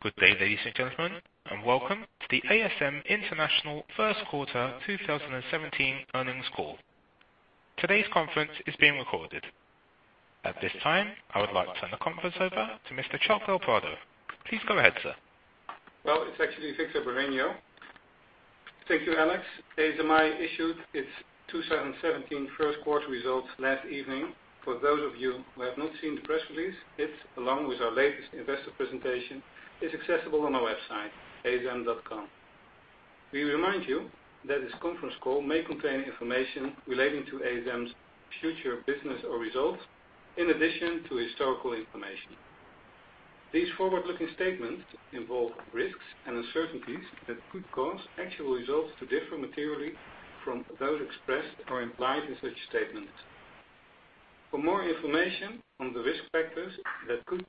Good day, ladies and gentlemen, and welcome to the ASM International first quarter 2017 earnings call. Today's conference is being recorded. At this time, I would like to turn the conference over to Mr. Chuck del Prado. Please go ahead, sir. Well, it's actually Victor Bareño. Thank you, Alex. ASMI issued its 2017 first quarter results last evening. For those of you who have not seen the press release, it, along with our latest investor presentation, is accessible on our website, asm.com. We remind you that this conference call may contain information relating to ASMI's future business or results, in addition to historical information. These forward-looking statements involve risks and uncertainties that could cause actual results to differ materially from those expressed or implied in such statements. For more information on the risk factors that could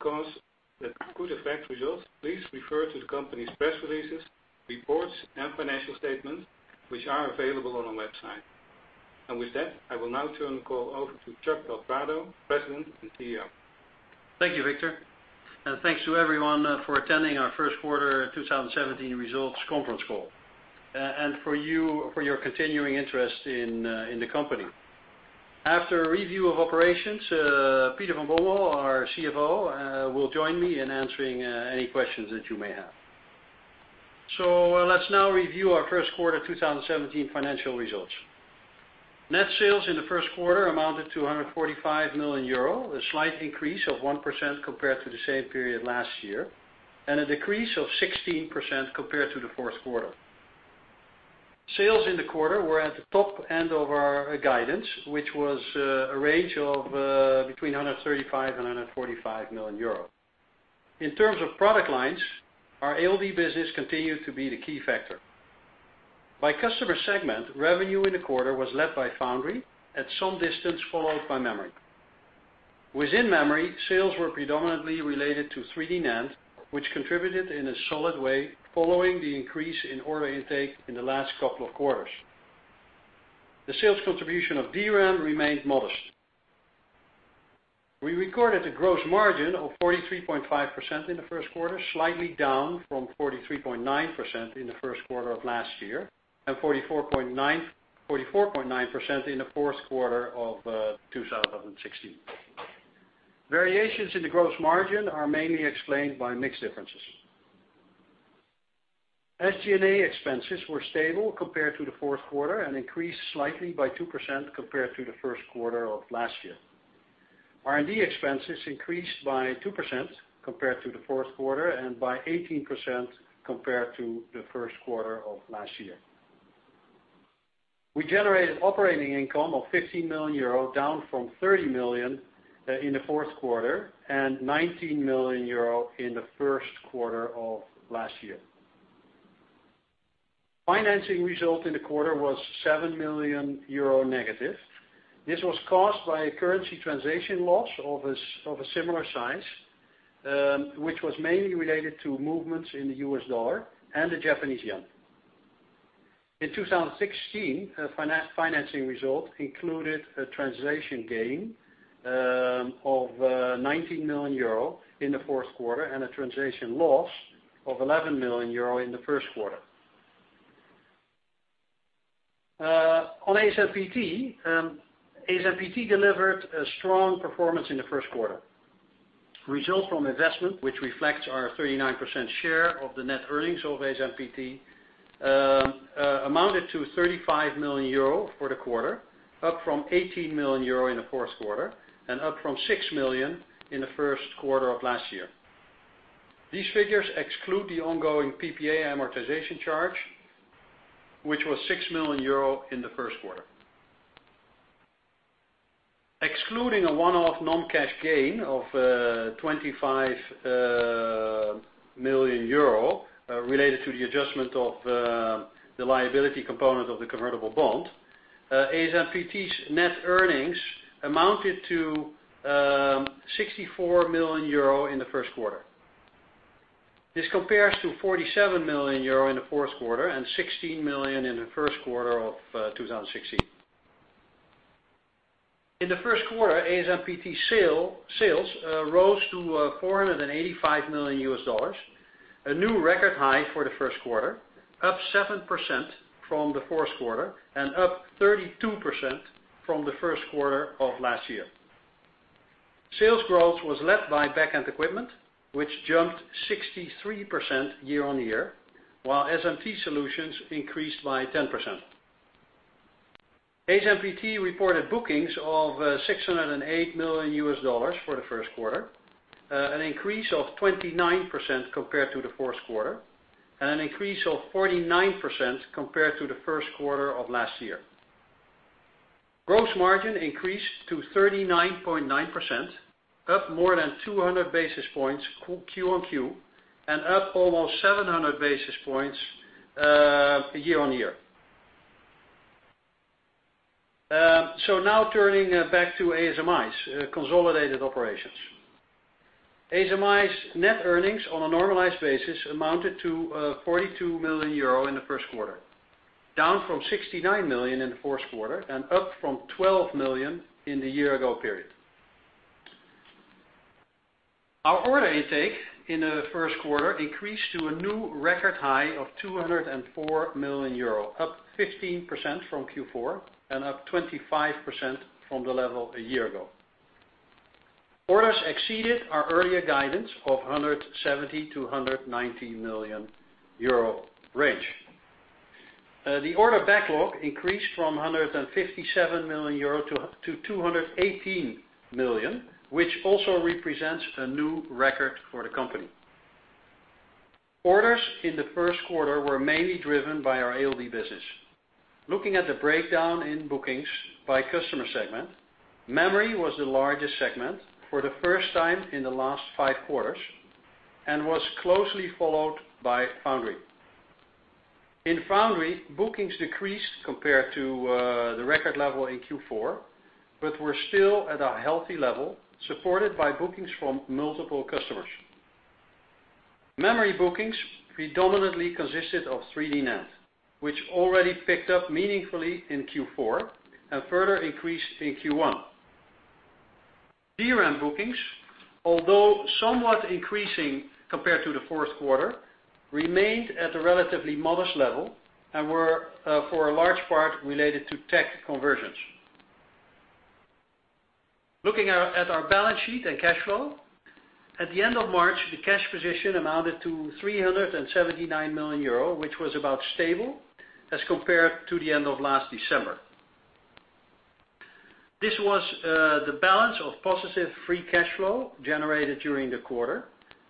affect results, please refer to the company's press releases, reports, and financial statements, which are available on our website. With that, I will now turn the call over to Chuck del Prado, President and CEO. Thank you, Victor. Thanks to everyone for attending our first quarter 2017 results conference call, and for your continuing interest in the company. After a review of operations, Peter van Bommel, our CFO, will join me in answering any questions that you may have. Let's now review our first quarter 2017 financial results. Net sales in the first quarter amounted to 145 million euro, a slight increase of 1% compared to the same period last year, and a decrease of 16% compared to the fourth quarter. Sales in the quarter were at the top end of our guidance, which was a range of between 135 and 145 million euros. In terms of product lines, our ALD business continued to be the key factor. By customer segment, revenue in the quarter was led by Foundry, at some distance followed by Memory. Within Memory, sales were predominantly related to 3D NAND, which contributed in a solid way following the increase in order intake in the last couple of quarters. The sales contribution of DRAM remained modest. We recorded a gross margin of 43.5% in the first quarter, slightly down from 43.9% in the first quarter of last year, and 44.9% in the fourth quarter of 2016. Variations in the gross margin are mainly explained by mix differences. SG&A expenses were stable compared to the fourth quarter and increased slightly by 2% compared to the first quarter of last year. R&D expenses increased by 2% compared to the fourth quarter and by 18% compared to the first quarter of last year. We generated operating income of 15 million euro, down from 30 million in the fourth quarter, and 19 million euro in the first quarter of last year. Financing result in the quarter was €7 million negative. This was caused by a currency translation loss of a similar size, which was mainly related to movements in the US dollar and the Japanese yen. In 2016, financing result included a translation gain of €19 million in the fourth quarter and a translation loss of €11 million in the first quarter. ASMPT delivered a strong performance in the first quarter. Results from investment, which reflects our 39% share of the net earnings of ASMPT, amounted to €35 million for the quarter, up from €18 million in the fourth quarter and up from €6 million in the first quarter of last year. These figures exclude the ongoing PPA amortization charge, which was €6 million in the first quarter. Excluding a one-off non-cash gain of €25 million related to the adjustment of the liability component of the convertible bond, ASMPT's net earnings amounted to €64 million in the first quarter. This compares to €47 million in the fourth quarter and €16 million in the first quarter of 2016. In the first quarter, ASMPT sales rose to $485 million, a new record high for the first quarter, up 7% from the fourth quarter, and up 32% from the first quarter of last year. Sales growth was led by back-end equipment, which jumped 63% year-on-year, while SMT solutions increased by 10%. ASMPT reported bookings of $608 million for the first quarter, an increase of 29% compared to the fourth quarter, and an increase of 49% compared to the first quarter of last year. Gross margin increased to 39.9%, up more than 200 basis points quarter-on-quarter, and up almost 700 basis points year-on-year. Now turning back to ASMI's consolidated operations. ASMI's net earnings on a normalized basis amounted to €42 million in the first quarter. Down from €69 million in the fourth quarter and up from €12 million in the year-ago period. Our order intake in the first quarter increased to a new record high of €204 million, up 15% from Q4 and up 25% from the level a year-ago. Orders exceeded our earlier guidance of €170 million-€190 million range. The order backlog increased from €157 million to €218 million, which also represents a new record for the company. Orders in the first quarter were mainly driven by our ALD business. Looking at the breakdown in bookings by customer segment, memory was the largest segment for the first time in the last five quarters and was closely followed by foundry. In foundry, bookings decreased compared to the record level in Q4, but were still at a healthy level, supported by bookings from multiple customers. Memory bookings predominantly consisted of 3D NAND, which already picked up meaningfully in Q4 and further increased in Q1. DRAM bookings, although somewhat increasing compared to the fourth quarter, remained at a relatively modest level and were for a large part related to tech conversions. Looking at our balance sheet and cash flow. At the end of March, the cash position amounted to €379 million, which was about stable as compared to the end of last December. This was the balance of positive free cash flow generated during the quarter,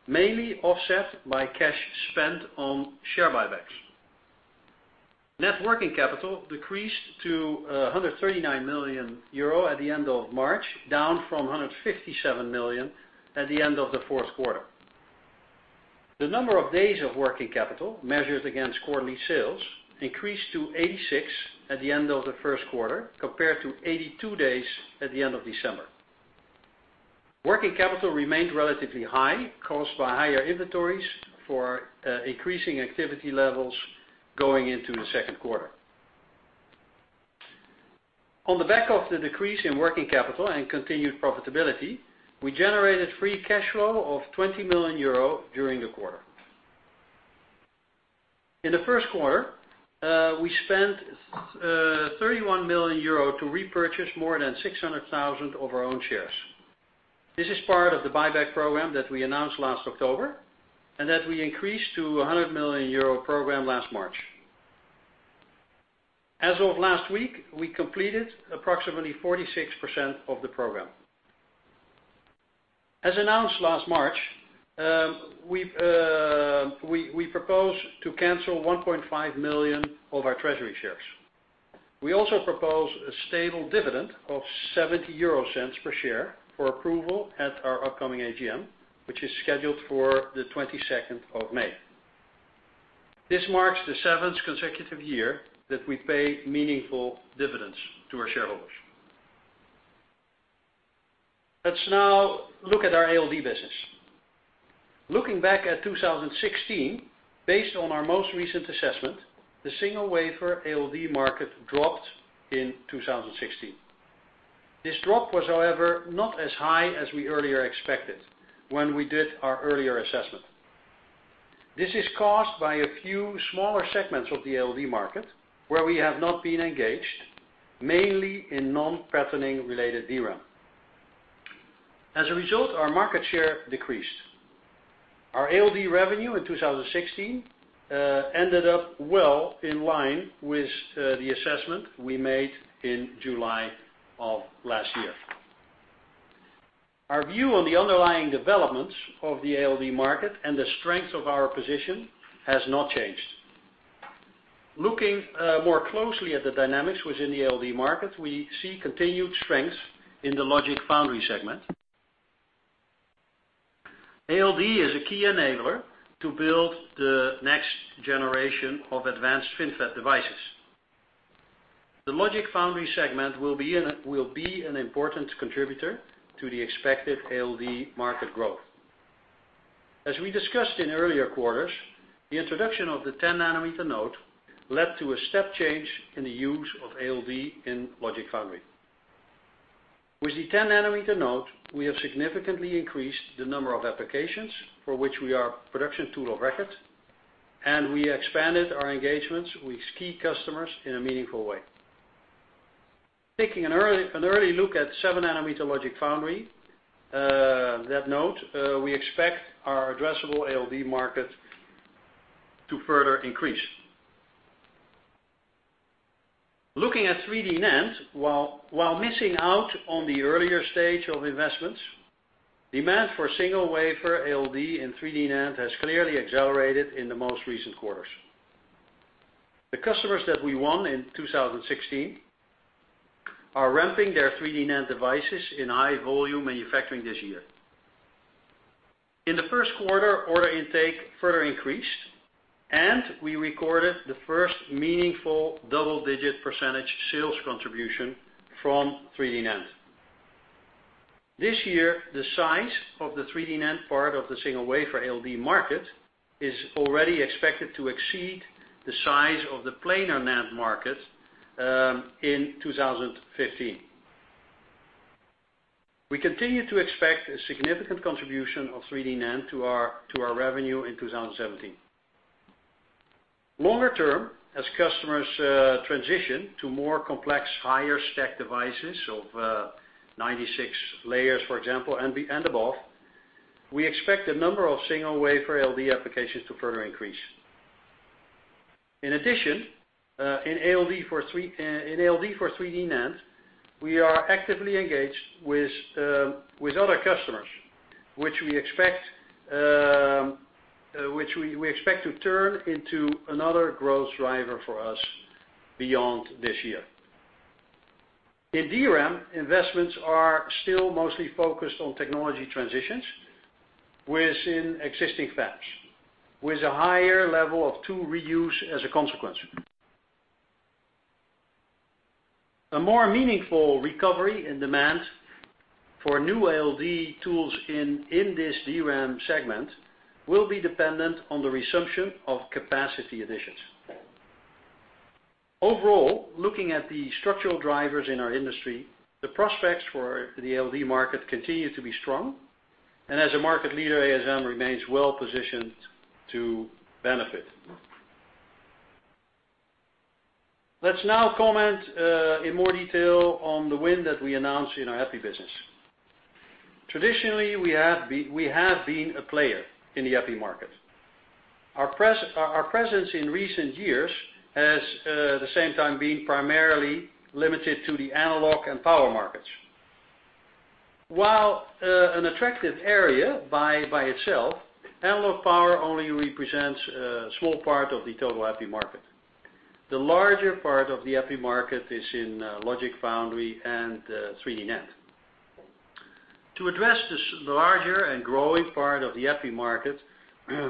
mainly offset by cash spent on share buybacks. Net working capital decreased to 139 million euro at the end of March, down from 157 million at the end of the fourth quarter. The number of days of working capital measured against quarterly sales increased to 86 at the end of the first quarter, compared to 82 days at the end of December. Working capital remained relatively high, caused by higher inventories for increasing activity levels going into the second quarter. On the back of the decrease in working capital and continued profitability, we generated free cash flow of 20 million euro during the quarter. In the first quarter, we spent 31 million euro to repurchase more than 600,000 of our own shares. This is part of the buyback program that we announced last October and that we increased to 100 million euro program last March. As of last week, we completed approximately 46% of the program. As announced last March, we propose to cancel 1.5 million of our treasury shares. We also propose a stable dividend of 0.70 per share for approval at our upcoming AGM, which is scheduled for the 22nd of May. This marks the seventh consecutive year that we pay meaningful dividends to our shareholders. Let's now look at our ALD business. Looking back at 2016, based on our most recent assessment, the single wafer ALD market dropped in 2016. This drop was, however, not as high as we earlier expected when we did our earlier assessment. This is caused by a few smaller segments of the ALD market where we have not been engaged, mainly in non-patterning related DRAM. As a result, our market share decreased. Our ALD revenue in 2016 ended up well in line with the assessment we made in July of last year. Our view on the underlying developments of the ALD market and the strength of our position has not changed. Looking more closely at the dynamics within the ALD market, we see continued strength in the logic Foundry segment. ALD is a key enabler to build the next generation of advanced FinFET devices. The logic Foundry segment will be an important contributor to the expected ALD market growth. As we discussed in earlier quarters, the introduction of the 10-nanometer node led to a step change in the use of ALD in logic Foundry. With the 10-nanometer node, we have significantly increased the number of applications for which we are production tool of record, and we expanded our engagements with key customers in a meaningful way. Taking an early look at seven-nanometer logic Foundry, that node, we expect our addressable ALD market to further increase. Looking at 3D NAND, while missing out on the earlier stage of investments, demand for single wafer ALD and 3D NAND has clearly accelerated in the most recent quarters. The customers that we won in 2016 are ramping their 3D NAND devices in high volume manufacturing this year. In the first quarter, order intake further increased, and we recorded the first meaningful double-digit percentage sales contribution from 3D NAND. This year, the size of the 3D NAND part of the single wafer ALD market is already expected to exceed the size of the planar NAND market in 2015. We continue to expect a significant contribution of 3D NAND to our revenue in 2017. Longer term, as customers transition to more complex, higher stack devices of 96 layers, for example, and above, we expect the number of single wafer ALD applications to further increase. In addition, in ALD for 3D NAND, we are actively engaged with other customers, which we expect to turn into another growth driver for us beyond this year. In DRAM, investments are still mostly focused on technology transitions within existing fabs, with a higher level of tool reuse as a consequence. A more meaningful recovery in demand for new ALD tools in this DRAM segment will be dependent on the resumption of capacity additions. Overall, looking at the structural drivers in our industry, the prospects for the ALD market continue to be strong. As a market leader, ASM remains well-positioned to benefit. Let's now comment in more detail on the win that we announced in our EPI business. Traditionally, we have been a player in the EPI market. Our presence in recent years has at the same time been primarily limited to the analog and power markets. While an attractive area by itself, analog power only represents a small part of the total EPI market. The larger part of the EPI market is in logic foundry and 3D NAND. To address this larger and growing part of the EPI market,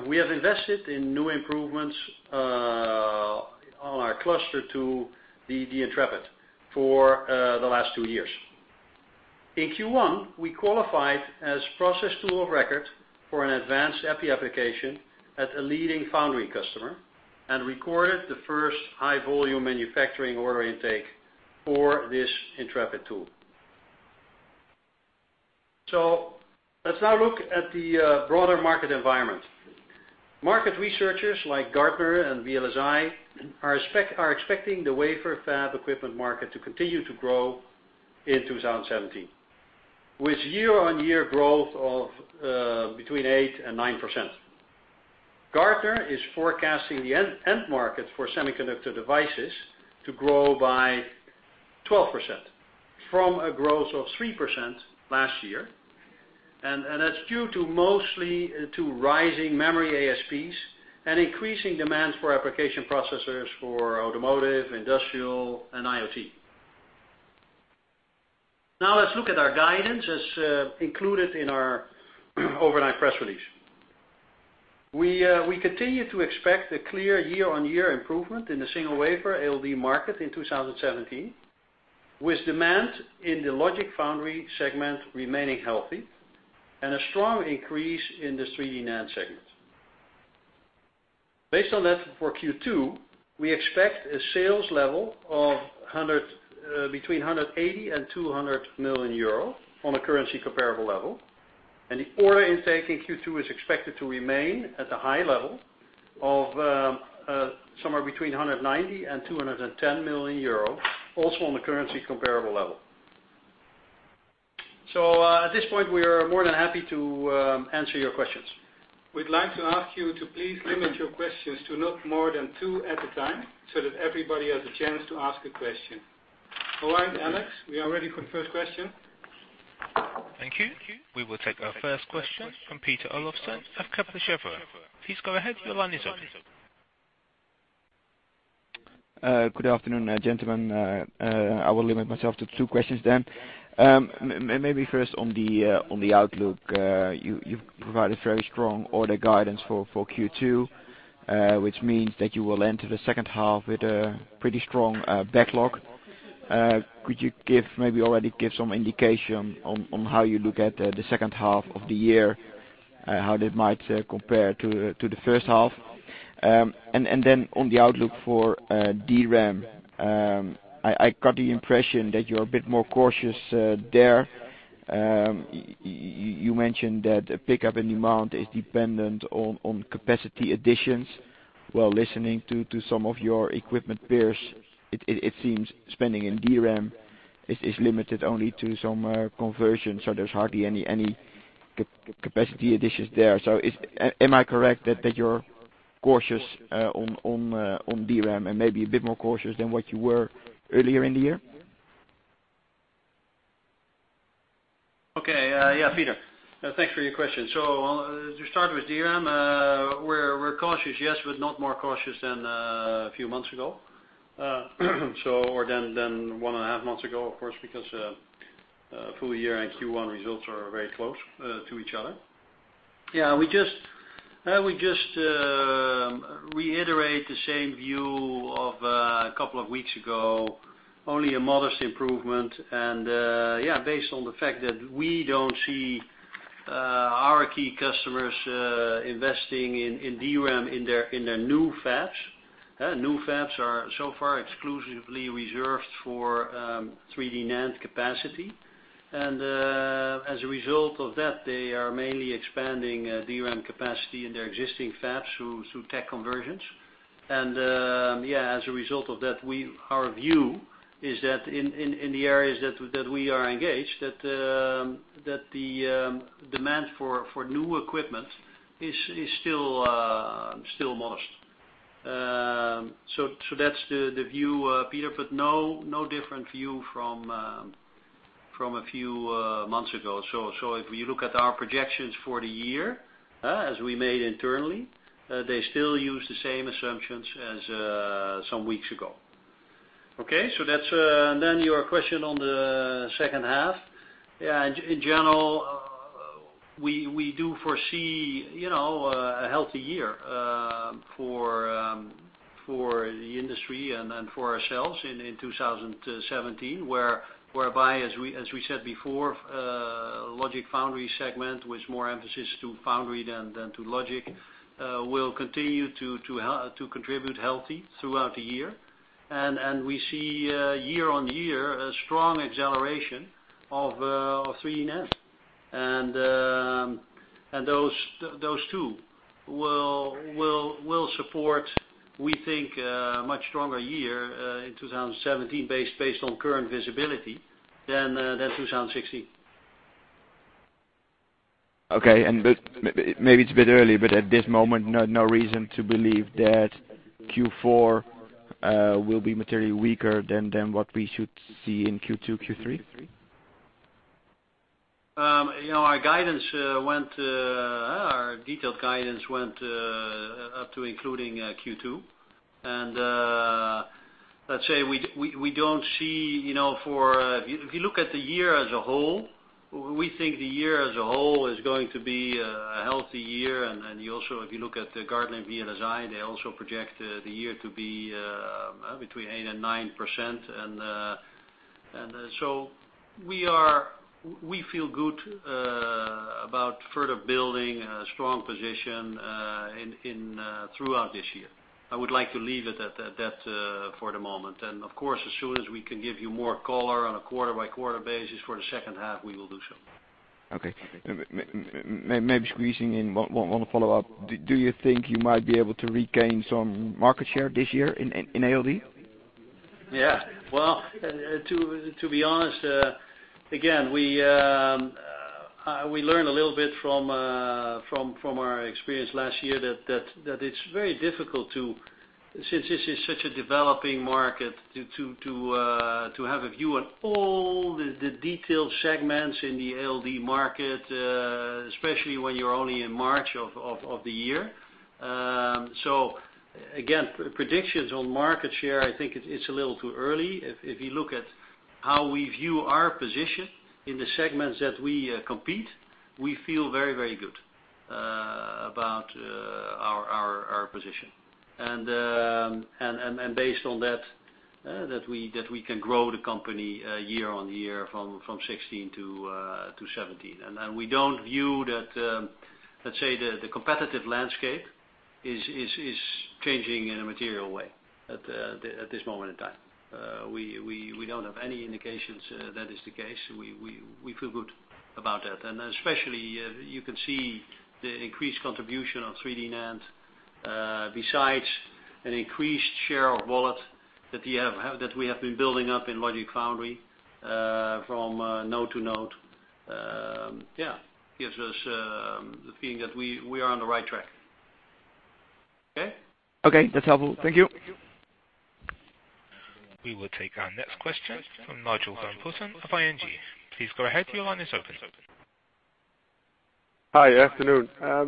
we have invested in new improvements on our cluster to the Intrepid for the last two years. In Q1, we qualified as process tool of record for an advanced EPI application at a leading foundry customer and recorded the first high-volume manufacturing order intake for this Intrepid tool. Let's now look at the broader market environment. Market researchers like Gartner and VLSI are expecting the wafer fab equipment market to continue to grow in 2017, with year-on-year growth of between 8% and 9%. Gartner is forecasting the end market for semiconductor devices to grow by 12%, from a growth of 3% last year. That's due mostly to rising memory ASPs and increasing demands for application processors for automotive, industrial, and IoT. Now let's look at our guidance as included in our overnight press release. We continue to expect a clear year-on-year improvement in the single wafer ALD market in 2017, with demand in the logic foundry segment remaining healthy and a strong increase in the 3D NAND segment. Based on that, for Q2, we expect a sales level of between 180 million and 200 million euros on a currency comparable level, and the order intake in Q2 is expected to remain at a high level of somewhere between 190 million and 210 million euro, also on a currency comparable level. At this point, we are more than happy to answer your questions. We'd like to ask you to please limit your questions to not more than two at a time, so that everybody has a chance to ask a question. All right, Alex, we are ready for the first question. Thank you. We will take our first question from Peter Olofsen of Kepler Cheuvreux. Please go ahead. Your line is open. Good afternoon, gentlemen. I will limit myself to two questions. Maybe first on the outlook. You've provided very strong order guidance for Q2, which means that you will enter the second half with a pretty strong backlog. Could you maybe already give some indication on how you look at the second half of the year, how that might compare to the first half? On the outlook for DRAM, I got the impression that you're a bit more cautious there. You mentioned that a pickup in demand is dependent on capacity additions. While listening to some of your equipment peers, it seems spending in DRAM is limited only to some conversion, so there's hardly any capacity additions there. Am I correct that you're cautious on DRAM and maybe a bit more cautious than what you were earlier in the year? Okay. Yeah, Peter, thanks for your question. To start with DRAM, we're cautious, yes, but not more cautious than a few months ago. Or than one and a half months ago, of course, because full year and Q1 results are very close to each other. We just reiterate the same view of a couple of weeks ago, only a modest improvement. Based on the fact that we don't see our key customers investing in DRAM in their new fabs. New fabs are so far exclusively reserved for 3D NAND capacity. As a result of that, they are mainly expanding DRAM capacity in their existing fabs through tech conversions. As a result of that, our view is that in the areas that we are engaged, that the demand for new equipment is still modest. That's the view, Peter, but no different view from a few months ago. If we look at our projections for the year, as we made internally, they still use the same assumptions as some weeks ago. Okay. Your question on the second half. In general, we do foresee a healthy year for the industry and for ourselves in 2017, whereby, as we said before, logic Foundry segment with more emphasis to Foundry than to logic, will continue to contribute healthy throughout the year. We see year-on-year a strong acceleration of 3D NAND. Those two will support, we think, a much stronger year in 2017 based on current visibility than 2016. Okay. Maybe it's a bit early, but at this moment, no reason to believe that Q4 will be materially weaker than what we should see in Q2, Q3? Our detailed guidance went up to including Q2. Let's say, if you look at the year as a whole, we think the year as a whole is going to be a healthy year. If you look at the Gartner VLSIresearch, they also project the year to be between eight and nine%. We feel good about further building a strong position throughout this year. I would like to leave it at that for the moment. Of course, as soon as we can give you more color on a quarter-by-quarter basis for the second half, we will do so. Okay. Maybe squeezing in one follow-up. Do you think you might be able to regain some market share this year in ALD? Well, to be honest, again, we learned a little bit from our experience last year that it's very difficult to, since this is such a developing market, to have a view on all the detailed segments in the ALD market, especially when you're only in March of the year. Again, predictions on market share, I think it's a little too early. If you look at how we view our position in the segments that we compete, we feel very, very good about our position. Based on that we can grow the company year on year from 2016 to 2017. We don't view that, let's say, the competitive landscape is changing in a material way at this moment in time. We don't have any indications that is the case. We feel good about that. Especially, you can see the increased contribution of 3D NAND, besides an increased share of wallet that we have been building up in logic foundry from node to node. Gives us the feeling that we are on the right track. Okay. Okay. That's helpful. Thank you. We will take our next question from Nigel van Putten of ING. Please go ahead. Your line is open. Hi. Afternoon. Hi.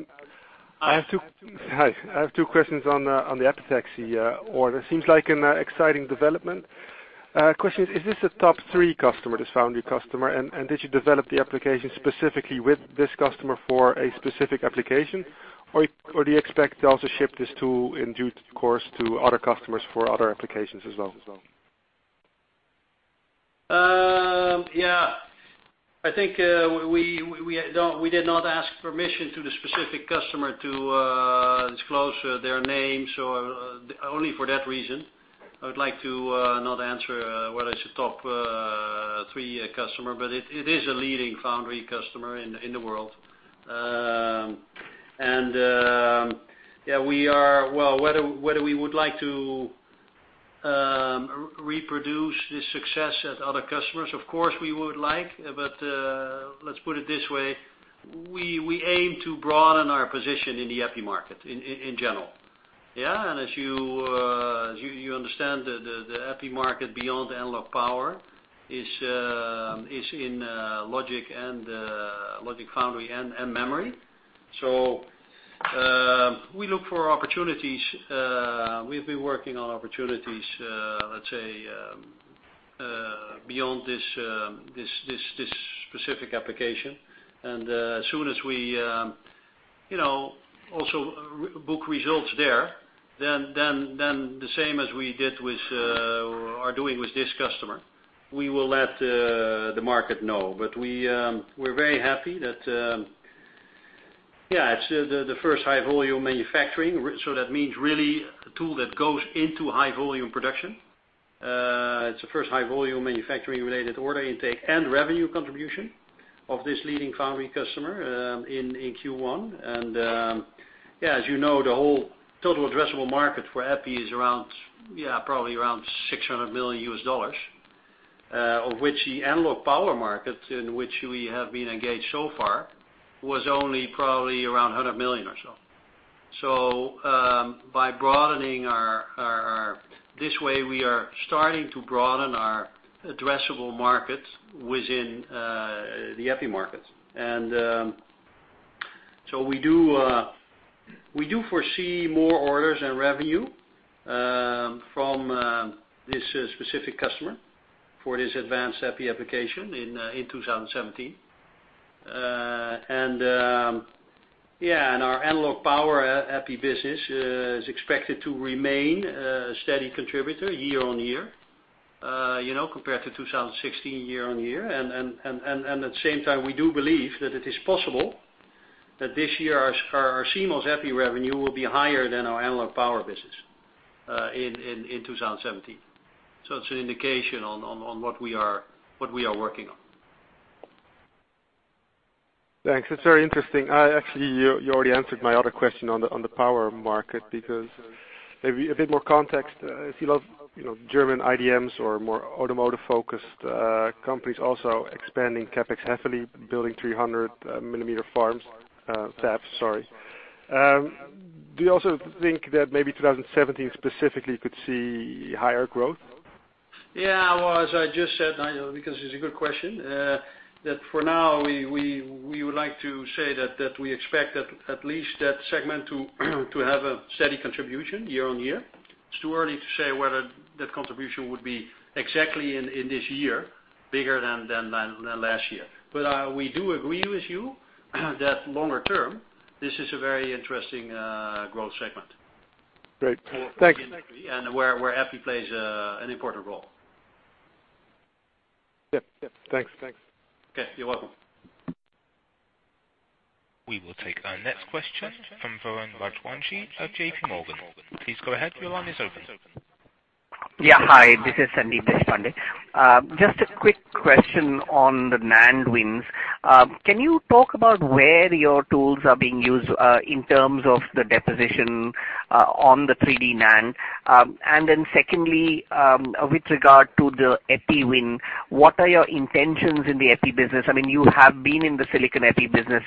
Hi. I have two questions on the epitaxy order. Seems like an exciting development. Question is this a top three customer, this Foundry customer? Did you develop the application specifically with this customer for a specific application? Do you expect to also ship this to, in due course, to other customers for other applications as well? Yeah. I think we did not ask permission to the specific customer to disclose their names. Only for that reason, I would like to not answer whether it's a top three customer, but it is a leading Foundry customer in the world. Whether we would like to reproduce this success at other customers, of course, we would like, but let's put it this way. We aim to broaden our position in the EPI market in general, yeah? As you understand the EPI market beyond analog power is in logic Foundry and memory. We look for opportunities. We've been working on opportunities, let's say beyond this specific application. As soon as we also book results there, the same as we are doing with this customer, we will let the market know. We're very happy that, it's the first high-volume manufacturing. That means really a tool that goes into high-volume production. It's the first high-volume manufacturing related order intake and revenue contribution of this leading Foundry customer in Q1. As you know, the whole total addressable market for EPI is probably around EUR 600 million, of which the analog power market, in which we have been engaged so far, was only probably around 100 million or so. This way, we are starting to broaden our addressable market within the EPI market. We do foresee more orders and revenue from this specific customer for this advanced EPI application in 2017. Our analog power EPI business is expected to remain a steady contributor year-on-year, compared to 2016 year-on-year. At the same time, we do believe that it is possible that this year, our CMOS EPI revenue will be higher than our analog power business in 2017. It's an indication on what we are working on. Thanks. It's very interesting. Actually, you already answered my other question on the power market because, maybe a bit more context. I see a lot of German IDMs or more automotive-focused companies also expanding CapEx heavily, building 300 millimeter fabs. Do you also think that maybe 2017 specifically could see higher growth? Well, as I just said, Nigel, because it's a good question, that for now we would like to say that we expect at least that segment to have a steady contribution year-on-year. It's too early to say whether that contribution would be exactly in this year, bigger than last year. We do agree with you, that longer term, this is a very interesting growth segment. Great. Thank you. where EPI plays an important role. Yep. Thanks. Okay. You're welcome. We will take our next question from Varun Rajwanshi of JPMorgan. Please go ahead. Your line is open. Hi, this is Sandeep Deshpande. Just a quick question on the NAND wins. Can you talk about where your tools are being used, in terms of the deposition on the 3D NAND? Secondly, with regard to the EPI win, what are your intentions in the EPI business? You have been in the silicon EPI business,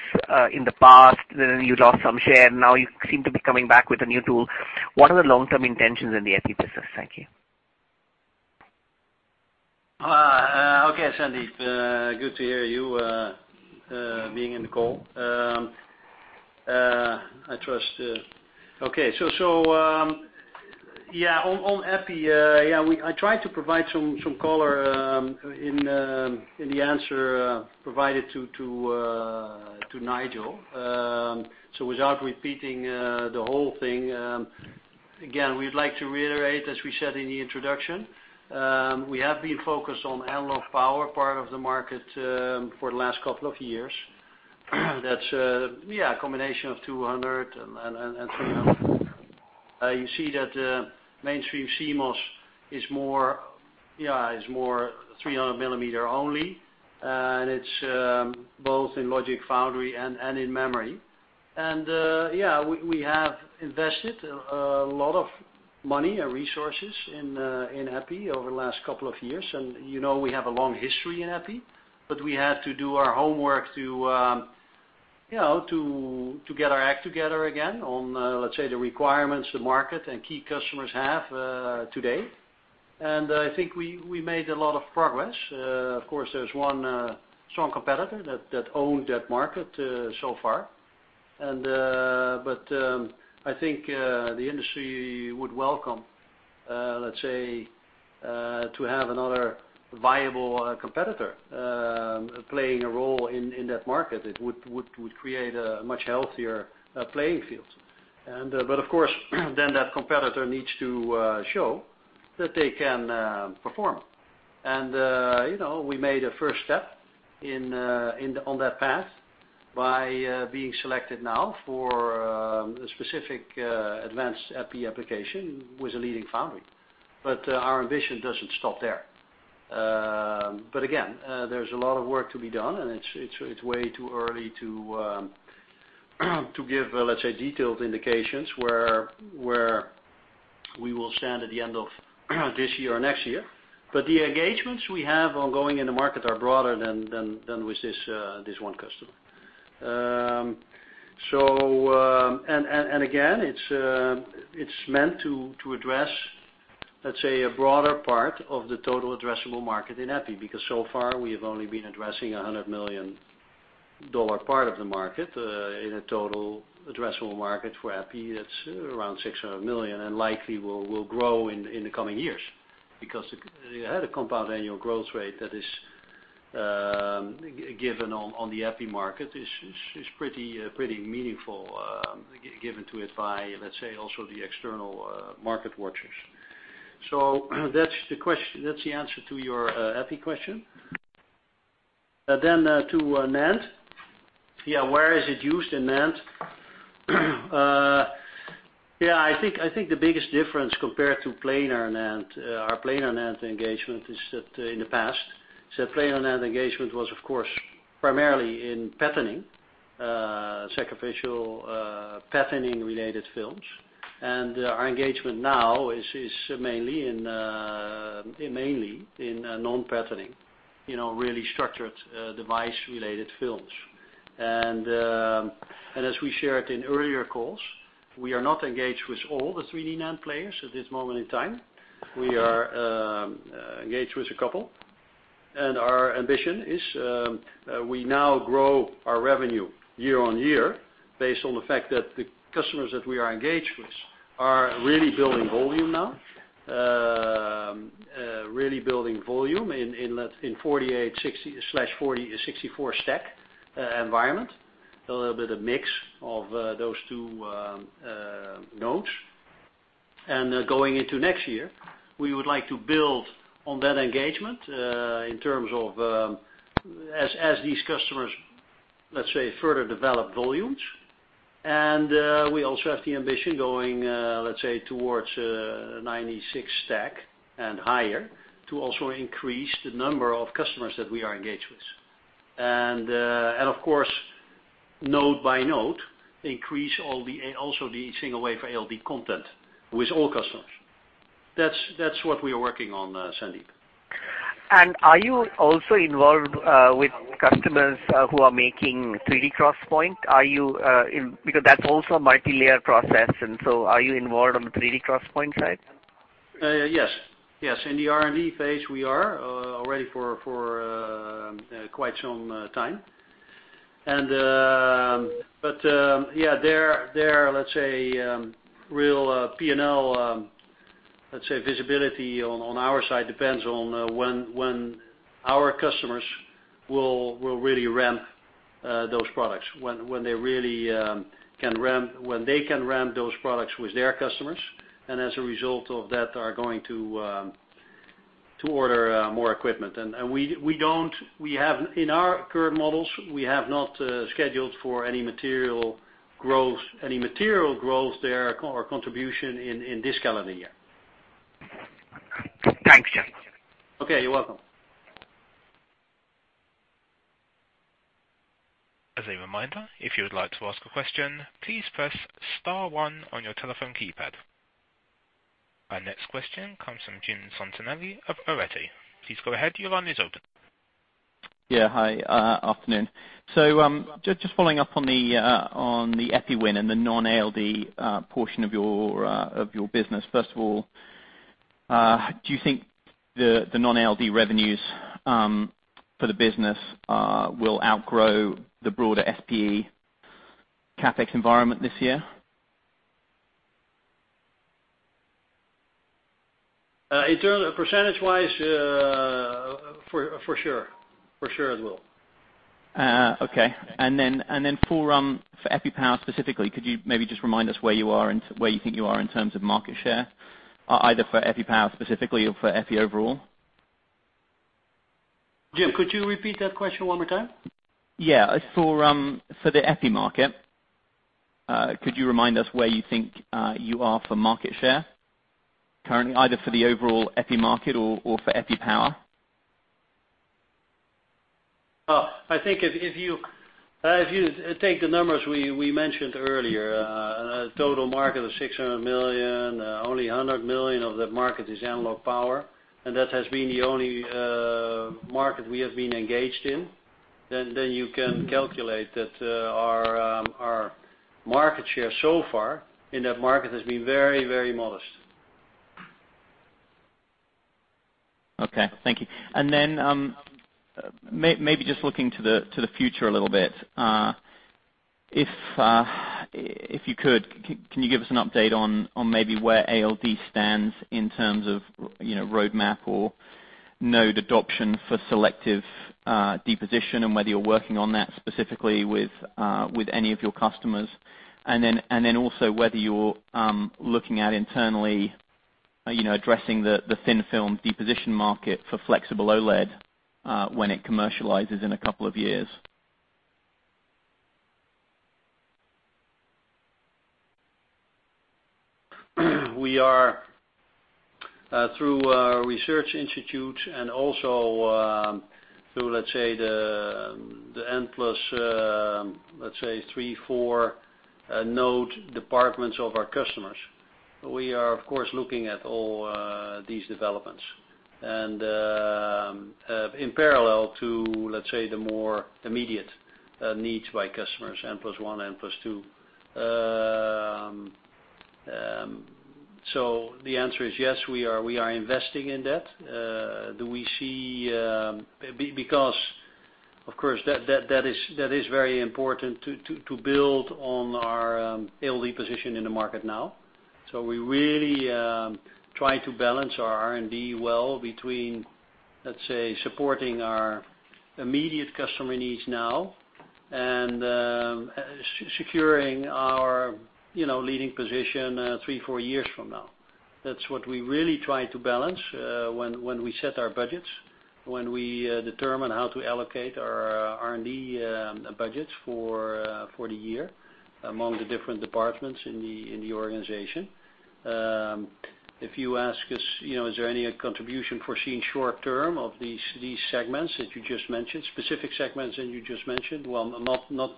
in the past. You lost some share. Now you seem to be coming back with a new tool. What are the long-term intentions in the EPI business? Thank you. Okay, Sandeep. Good to hear you, being in the call. On EPI, I tried to provide some color in the answer provided to Nigel. Without repeating the whole thing, again, we'd like to reiterate, as we said in the introduction, we have been focused on analog power part of the market for the last couple of years. That's a combination of 200 and 300. You see that mainstream CMOS is more 300 millimeter only, and it's both in logic Foundry and in memory. We have invested a lot of money and resources in EPI over the last couple of years. You know we have a long history in EPI, but we had to do our homework to get our act together again on, let's say, the requirements the market and key customers have today. I think we made a lot of progress. Of course, there's one strong competitor that owned that market so far. I think the industry would welcome, let's say, to have another viable competitor playing a role in that market. It would create a much healthier playing field. That competitor needs to show that they can perform. We made a first step on that path by being selected now for a specific advanced EPI application with a leading Foundry. Our ambition doesn't stop there. There's a lot of work to be done, and it's way too early to give, let's say, detailed indications where we will stand at the end of this year or next year. The engagements we have ongoing in the market are broader than with this one customer. It's meant to address, let's say, a broader part of the total addressable market in EPI, because so far we have only been addressing EUR 100 million part of the market, in a total addressable market for EPI that's around 600 million, and likely will grow in the coming years. They had a compound annual growth rate that is given on the EPI market is pretty meaningful, given to it by, let's say, also the external market watchers. That's the answer to your EPI question. To NAND. Where is it used in NAND? I think the biggest difference compared to our planar NAND engagement is that in the past, planar NAND engagement was, of course, primarily in patterning, sacrificial patterning-related films. Our engagement now is mainly in non-patterning, really structured device-related films. As we shared in earlier calls, we are not engaged with all the 3D NAND players at this moment in time. We are engaged with a couple, and our ambition is, we now grow our revenue year-on-year based on the fact that the customers that we are engaged with are really building volume now. Really building volume in 48/64 stack environment. A little bit of mix of those two nodes. Going into next year, we would like to build on that engagement in terms of, as these customers, let's say, further develop volumes. We also have the ambition going, let's say, towards 96 stack and higher to also increase the number of customers that we are engaged with. Of course, node by node, increase also the single wafer ALD content with all customers. That is what we are working on, Sandeep. Are you also involved with customers who are making 3D XPoint? Because that is also multilayer process, are you involved on the 3D XPoint side? Yes. In the R&D phase, we are already for quite some time. Yeah, their, let's say, real P&L visibility on our side depends on when our customers will really ramp those products, when they can ramp those products with their customers, and as a result of that, are going to order more equipment. In our current models, we have not scheduled for any material growth there or contribution in this calendar year. Thanks, Chuck. Okay. You're welcome. As a reminder, if you would like to ask a question, please press *1 on your telephone keypad. Our next question comes from Jim Santinelli of Arete. Please go ahead, your line is open. Yeah. Hi, afternoon. Just following up on the EPI win and the non-ALD portion of your business. First of all, do you think the non-ALD revenues for the business will outgrow the broader SPE CapEx environment this year? In terms of percentage-wise, for sure. For sure it will. Okay. For EPI power specifically, could you maybe just remind us where you think you are in terms of market share, either for EPI power specifically or for EPI overall? Jim, could you repeat that question one more time? Yeah. For the EPI market, could you remind us where you think you are for market share currently, either for the overall EPI market or for EPI power? Oh. I think if you take the numbers we mentioned earlier, a total market of 600 million, only 100 million of that market is analog power, that has been the only market we have been engaged in, you can calculate that our market share so far in that market has been very modest. Okay. Thank you. Maybe just looking to the future a little bit. If you could, can you give us an update on maybe where ALD stands in terms of roadmap or node adoption for selective deposition, and whether you're working on that specifically with any of your customers. Also whether you're looking at internally addressing the thin-film deposition market for flexible OLED, when it commercializes in a couple of years. We are through our research institute and also through the N plus, let's say three, four, node departments of our customers. We are of course looking at all these developments. In parallel to, let's say, the more immediate needs by customers, N+1, N+2. The answer is, yes, we are investing in that. Because, of course, that is very important to build on our ALD position in the market now. We really try to balance our R&D well between, let's say, supporting our immediate customer needs now and securing our leading position three, four years from now. That's what we really try to balance when we set our budgets, when we determine how to allocate our R&D budgets for the year among the different departments in the organization. If you ask us, is there any contribution foreseen short-term of these segments that you just mentioned, specific segments that you just mentioned? Well, not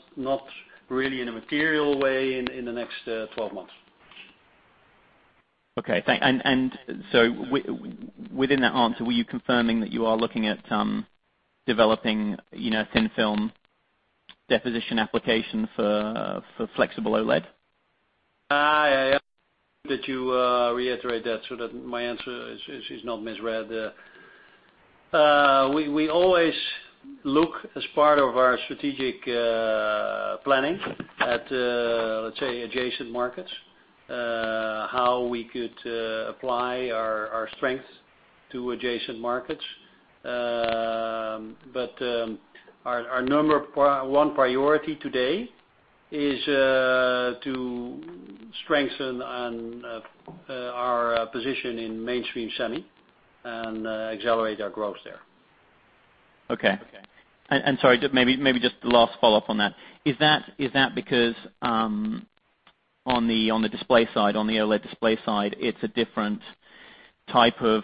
really in a material way in the next 12 months. Okay, thanks. Within that answer, were you confirming that you are looking at developing thin-film deposition application for flexible OLED? I am glad that you reiterate that so that my answer is not misread. We always look as part of our strategic planning at, let's say, adjacent markets, how we could apply our strengths to adjacent markets. Our number one priority today is to strengthen our position in mainstream semi and accelerate our growth there. Okay. Sorry, maybe just the last follow-up on that. Is that because on the OLED display side, it's a different type of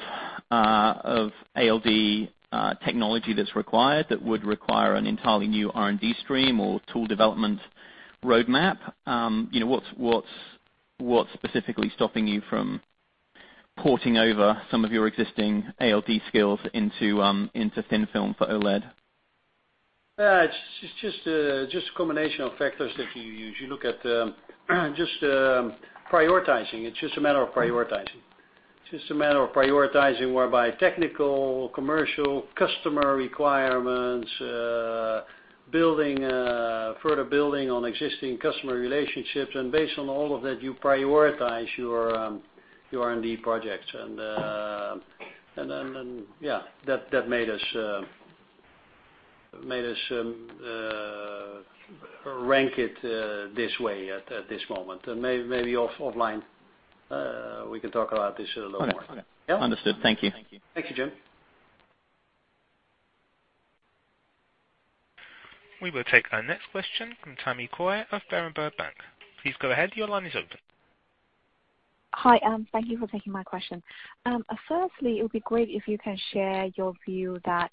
ALD technology that's required that would require an entirely new R&D stream or tool development roadmap? What's specifically stopping you from porting over some of your existing ALD skills into thin film for OLED? It's just a combination of factors that you use. You look at just prioritizing. It's just a matter of prioritizing. It's just a matter of prioritizing whereby technical, commercial, customer requirements, further building on existing customer relationships, and based on all of that, you prioritize your R&D projects. That made us rank it this way at this moment. Maybe offline, we can talk about this a little more. Understood. Thank you. Thank you, Jim. We will take our next question from Tammy Qiu of Berenberg Bank. Please go ahead. Your line is open. Hi. Thank you for taking my question. Firstly, it would be great if you can share your view that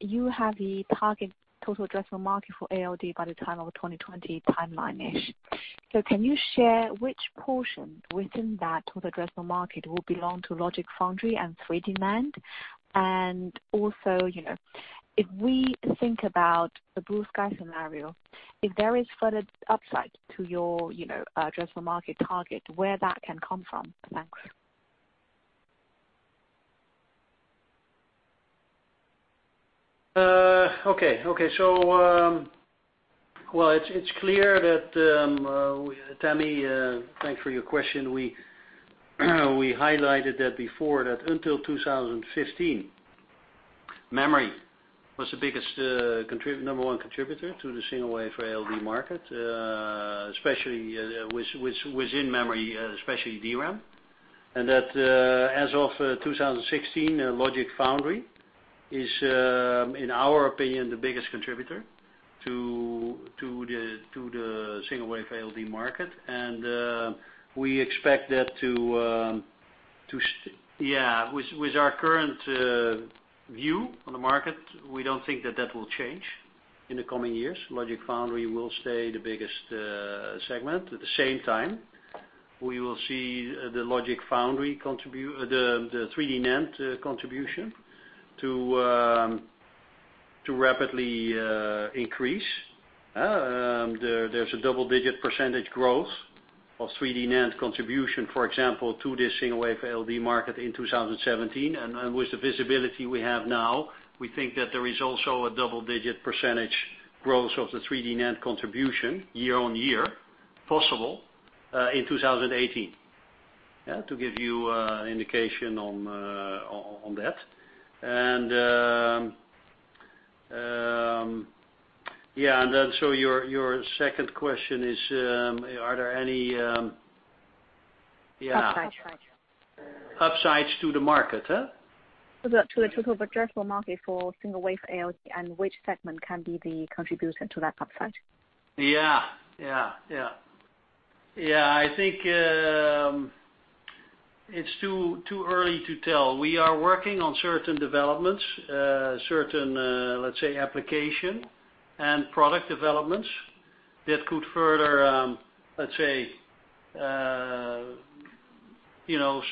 you have the target total addressable market for ALD by the time of 2020 timeline-ish. Can you share which portion within that total addressable market will belong to logic foundry and 3D NAND? Also, if we think about the blue sky scenario, if there is further upside to your addressable market target, where that can come from? Thanks. Okay. Well, it's clear that, Tammy, thanks for your question. We highlighted that before that until 2015, memory was the number 1 contributor to the single wafer ALD market, within memory, especially DRAM. That as of 2016, logic foundry is, in our opinion, the biggest contributor to the single wafer ALD market. With our current view on the market, we don't think that that will change in the coming years. Logic foundry will stay the biggest segment. At the same time, we will see the 3D NAND contribution to rapidly increase. There's a double-digit % growth of 3D NAND contribution, for example, to the single wafer ALD market in 2017. With the visibility we have now, we think that there is also a double-digit % growth of the 3D NAND contribution year-on-year possible in 2018. To give you an indication on that. Your second question is, are there. Upsides upsides to the market. To the total addressable market for single wafer ALD, which segment can be the contributor to that upside? I think it's too early to tell. We are working on certain developments, certain, let's say, application and product developments that could further, let's say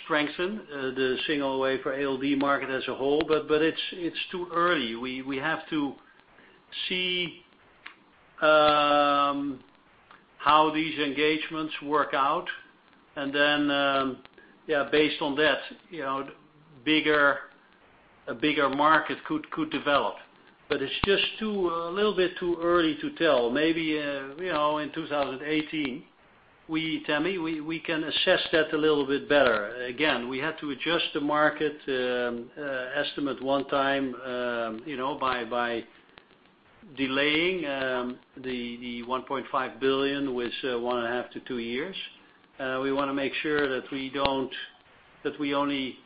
strengthen the single wafer ALD market as whole, it's too early. We have to see how these engagements work out, based on that, a bigger market could develop. It's just a little bit too early to tell. Maybe, in 2018, Tammy, we can assess that a little bit better. Again, we had to adjust the market estimate one time, by delaying the 1.5 billion with one and a half to two years. We want to make sure that we only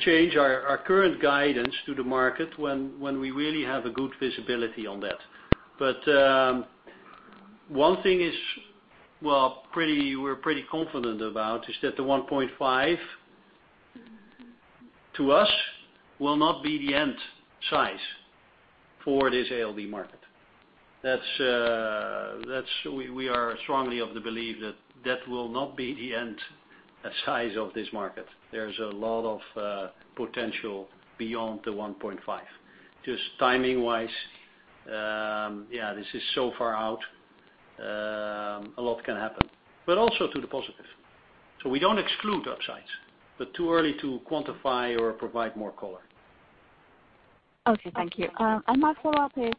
change our current guidance to the market when we really have a good visibility on that. One thing we're pretty confident about is that the 1.5, to us, will not be the end size for this ALD market. We are strongly of the belief that that will not be the end size of this market. There's a lot of potential beyond the 1.5. Just timing-wise, this is so far out, a lot can happen. Also to the positive. We don't exclude upsides, but too early to quantify or provide more color. Okay, thank you. My follow-up is,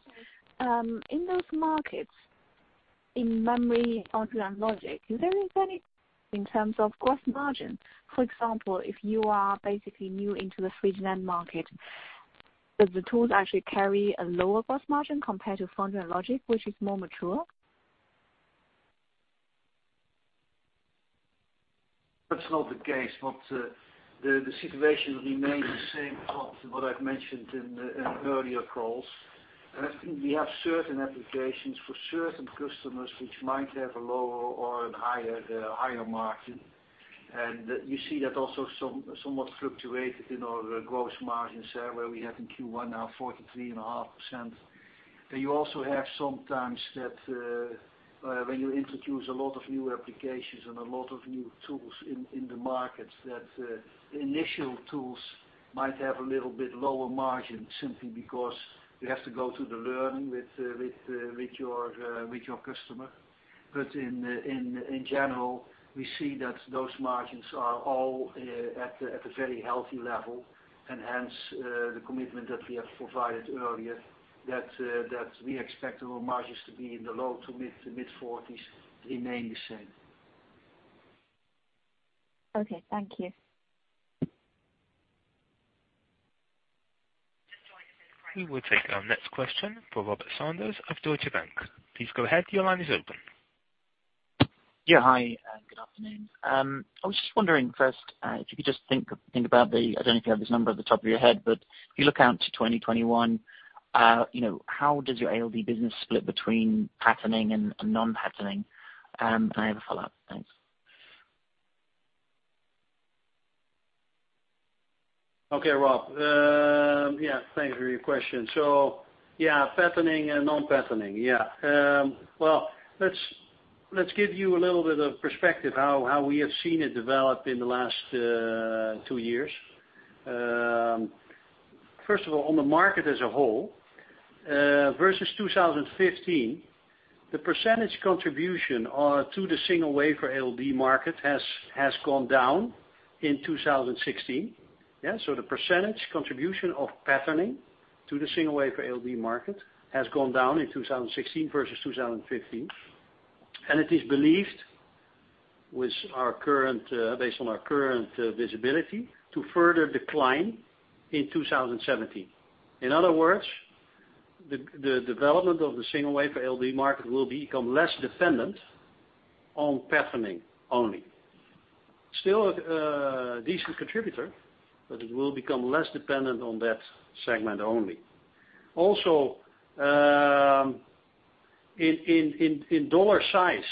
in those markets, in memory, logic, is there any in terms of gross margin? For example, if you are basically new into the 3D NAND market, does the tools actually carry a lower gross margin compared to foundry logic, which is more mature? That's not the case. The situation remains the same to what I've mentioned in earlier calls. I think we have certain applications for certain customers which might have a lower or higher margin. You see that also somewhat fluctuated in our gross margins there, where we have in Q1 now 43.5%. You also have sometimes that, when you introduce a lot of new applications and a lot of new tools in the markets, that the initial tools might have a little bit lower margin simply because you have to go through the learning with your customer. In general, we see that those margins are all at a very healthy level. Hence, the commitment that we have provided earlier that we expect our margins to be in the low to mid 40s to remain the same. Okay, thank you. We will take our next question from Robert Sanders of Deutsche Bank. Please go ahead. Your line is open. Yeah. Hi, good afternoon. I was just wondering first, if you could just think about the, I don't know if you have this number at the top of your head, but if you look out to 2021, how does your ALD business split between patterning and non-patterning? I have a follow-up. Thanks. Okay, Rob. Yeah, thanks for your question. Yeah, patterning and non-patterning. Well, let's give you a little bit of perspective how we have seen it develop in the last two years. First of all, on the market as a whole, versus 2015, the % contribution to the single wafer ALD market has gone down in 2016. Yeah? The % contribution of patterning to the single wafer ALD market has gone down in 2016 versus 2015, and it is believed, based on our current visibility, to further decline in 2017. In other words, the development of the single wafer ALD market will become less dependent on patterning only. Still a decent contributor, but it will become less dependent on that segment only. Also, in dollar size,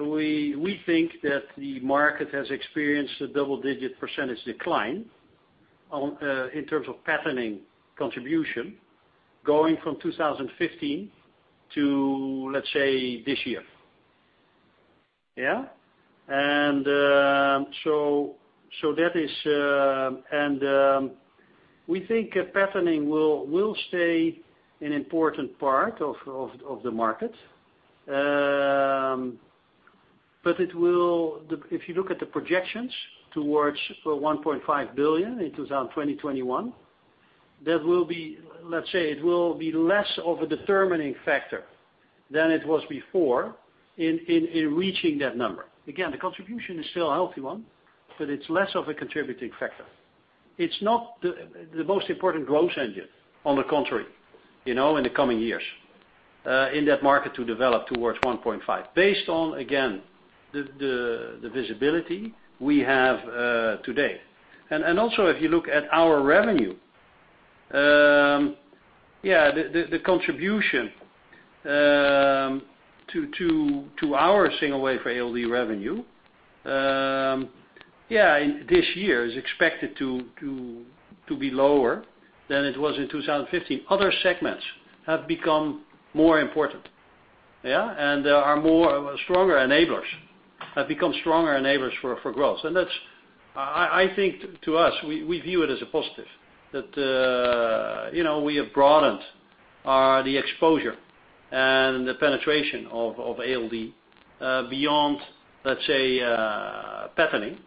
we think that the market has experienced a double-digit % decline, in terms of patterning contribution, going from 2015 to, let's say, this year. Yeah? We think patterning will stay an important part of the market. If you look at the projections towards the 1.5 billion in 2021, let's say it will be less of a determining factor than it was before in reaching that number. Again, the contribution is still a healthy one, but it's less of a contributing factor. It's not the most important growth engine, on the contrary, in the coming years, in that market to develop towards 1.5 billion, based on, again, the visibility we have today. Also, if you look at our revenue, the contribution to our single wafer ALD revenue, this year is expected to be lower than it was in 2015. Other segments have become more important Yeah. there are more stronger enablers. Have become stronger enablers for growth. I think, to us, we view it as a positive that we have broadened the exposure and the penetration of ALD, beyond, let's say, patterning,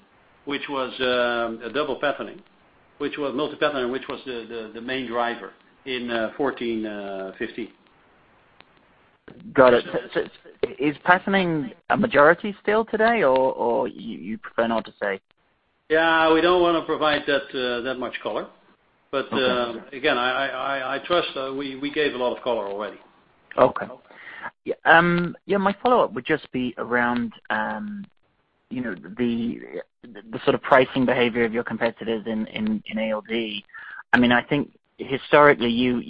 which was a double patterning, multi-patterning, which was the main driver in 2014, 2015. Got it. Is patterning a majority still today, or you prefer not to say? Yeah. We don't want to provide that much color. Okay. Again, I trust we gave a lot of color already. Okay. My follow-up would just be around the sort of pricing behavior of your competitors in ALD. I think historically,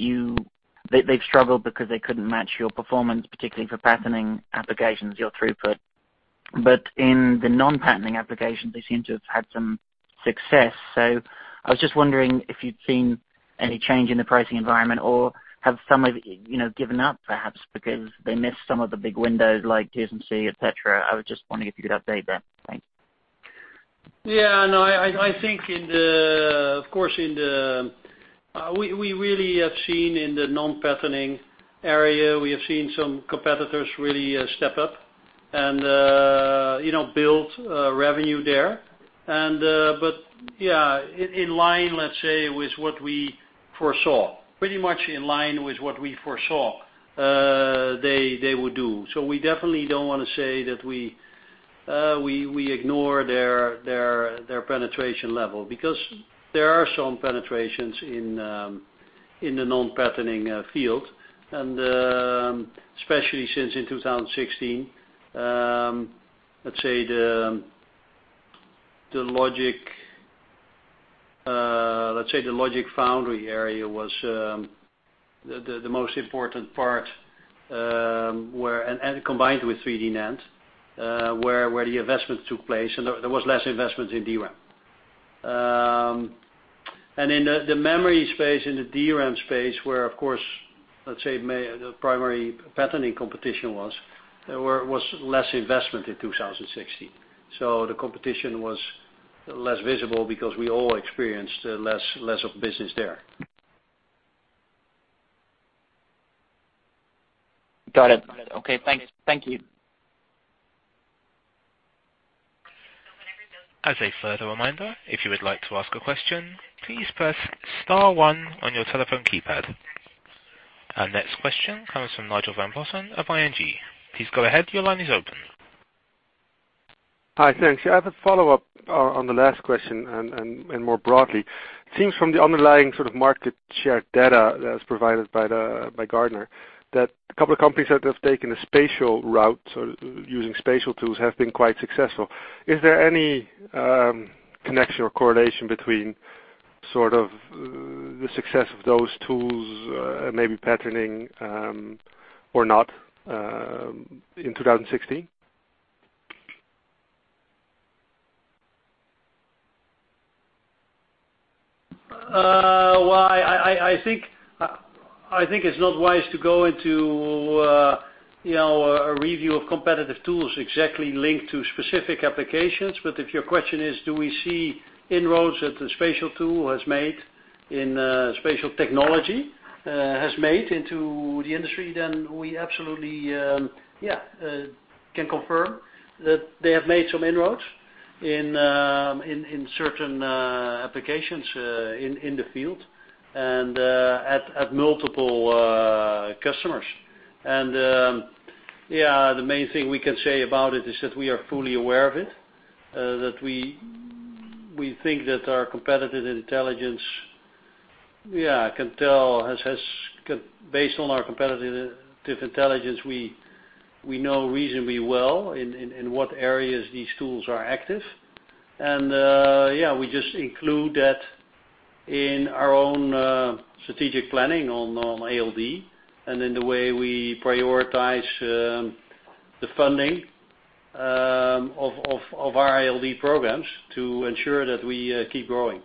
they've struggled because they couldn't match your performance, particularly for patterning applications, your throughput. In the non-patterning applications, they seem to have had some success. I was just wondering if you'd seen any change in the pricing environment or have some given up, perhaps, because they missed some of the big windows like TSMC, et cetera. I was just wondering if you could update that. Thanks. I think we really have seen in the non-patterning area, we have seen some competitors really step up and build revenue there. In line, let's say, with what we foresaw. Pretty much in line with what we foresaw they would do. We definitely don't want to say that we ignore their penetration level, because there are some penetrations in the non-patterning field, and especially since in 2016, let's say the logic foundry area was the most important part, and combined with 3D NAND, where the investments took place, and there was less investment in DRAM. In the memory space, in the DRAM space, where, of course, let's say, the primary patterning competition was, there was less investment in 2016. The competition was less visible because we all experienced less of business there. Got it. Okay, thank you. As a further reminder, if you would like to ask a question, please press star one on your telephone keypad. Our next question comes from Nigel van Putten of ING. Please go ahead. Your line is open. Hi. Thanks. Yeah, I have a follow-up on the last question, and more broadly. It seems from the underlying sort of market share data that's provided by Gartner, that a couple of companies that have taken a spatial route, so using spatial tools, have been quite successful. Is there any connection or correlation between sort of the success of those tools, maybe patterning, or not, in 2016? Well, I think it's not wise to go into a review of competitive tools exactly linked to specific applications. If your question is, do we see inroads that the spatial tool has made in spatial technology, has made into the industry, then we absolutely, yeah, can confirm that they have made some inroads in certain applications in the field and at multiple customers. Yeah, the main thing we can say about it is that we are fully aware of it. That we think that based on our competitive intelligence, we know reasonably well in what areas these tools are active. Yeah, we just include that in our own strategic planning on ALD, and in the way we prioritize the funding of our ALD programs to ensure that we keep growing.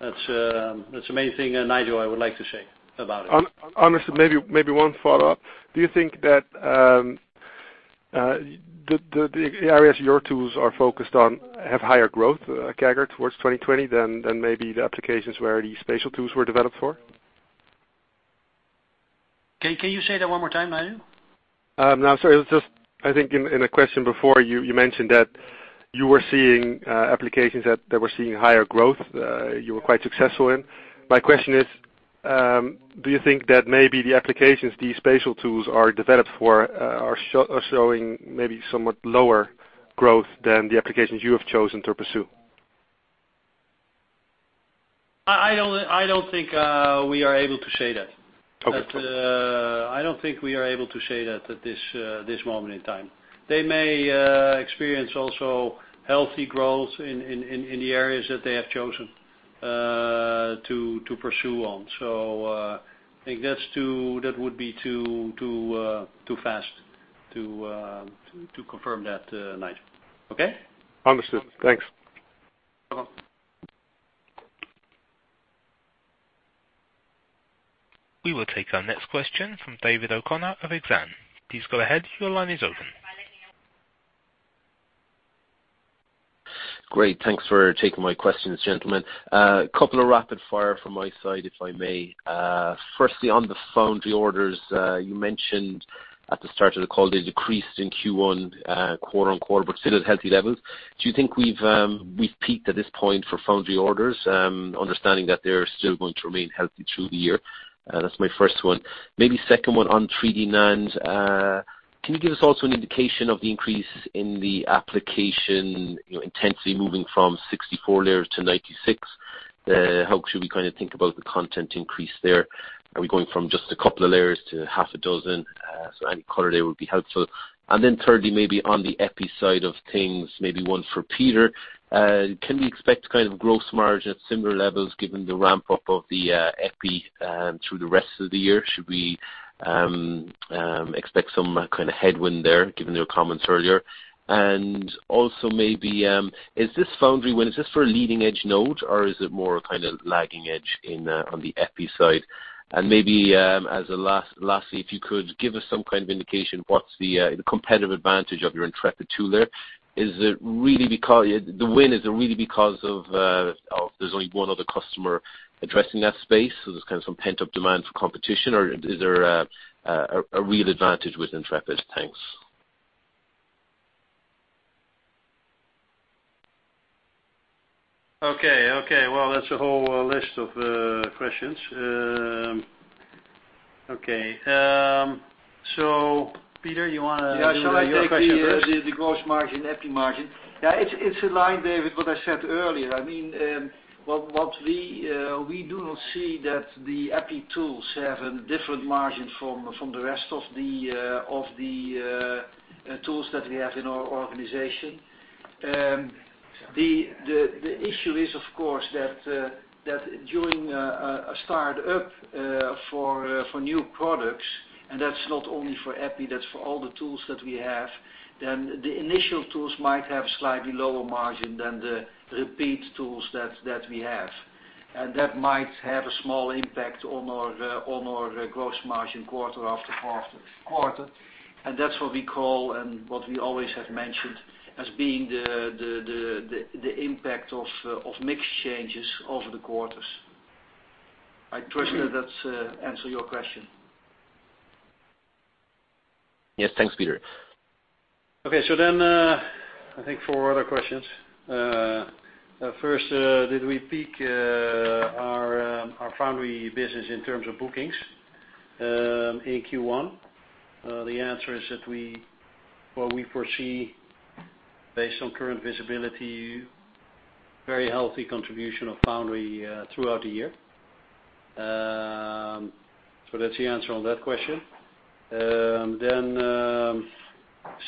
That's the main thing, Nigel, I would like to say about it. Understood. Maybe one follow-up. Do you think that the areas your tools are focused on have higher growth, CAGR, towards 2020, than maybe the applications where these spatial tools were developed for? Can you say that one more time, Nigel? No, sorry. It was just, I think in the question before, you mentioned that you were seeing applications that were seeing higher growth, you were quite successful in. My question is, do you think that maybe the applications these spatial tools are developed for are showing maybe somewhat lower growth than the applications you have chosen to pursue? I don't think we are able to say that. Okay. I don't think we are able to say that at this moment in time. They may experience also healthy growth in the areas that they have chosen to pursue on. I think that would be too fast to confirm that, Nigel. Okay? Understood. Thanks. No problem. We will take our next question from David O'Connor of Exane. Please go ahead. Your line is open. Great. Thanks for taking my questions, gentlemen. A couple of rapid fire from my side, if I may. Firstly, on the foundry orders, you mentioned at the start of the call they decreased in Q1 quarter-on-quarter, but still at healthy levels. Do you think we've peaked at this point for foundry orders? Understanding that they're still going to remain healthy through the year. That's my first one. Maybe second one on 3D NAND. Can you give us also an indication of the increase in the application intensity moving from 64 layers to 96? How should we think about the content increase there? Are we going from just a couple of layers to half a dozen? Any color there would be helpful. Thirdly, maybe on the EPI side of things, maybe one for Peter. Can we expect kind of gross margin at similar levels given the ramp-up of the EPI through the rest of the year? Should we expect some kind of headwind there, given your comments earlier? Is this foundry win, is this for a leading-edge node or is it more kind of lagging edge on the EPI side? As a lastly, if you could give us some kind of indication, what's the competitive advantage of your Intrepid tool there? The win, is it really because of there's only one other customer addressing that space, so there's kind of some pent-up demand for competition? Or is there a real advantage with Intrepid? Thanks. Okay. Well, that's a whole list of questions. Okay. Peter, you want to do your question first? Yeah. Shall I take the gross margin, EPI margin? Yeah, it's in line, David, what I said earlier. We do not see that the EPI tools have a different margin from the rest of the tools that we have in our organization. The issue is, of course, that during a start-up for new products, and that's not only for EPI, that's for all the tools that we have, then the initial tools might have slightly lower margin than the repeat tools that we have. That might have a small impact on our gross margin quarter after quarter. That's what we call and what we always have mentioned as being the impact of mix changes over the quarters. I trust that that answers your question. Yes. Thanks, Peter. Okay. I think four other questions. First, did we peak our foundry business in terms of bookings in Q1? The answer is that we foresee, based on current visibility, very healthy contribution of foundry throughout the year. That's the answer on that question.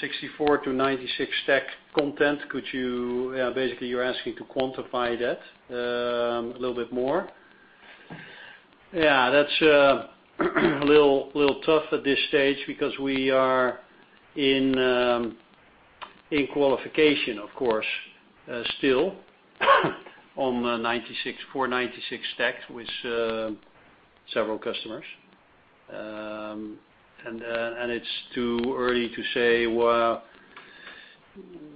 64 to 96 stack content. Basically, you're asking to quantify that a little bit more. Yeah, that's a little tough at this stage because we are in qualification of course, still on 496 stack with several customers. It's too early to say